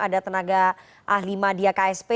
ada tenaga ahli madia ksp